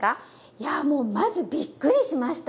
いやもうまずびっくりしました。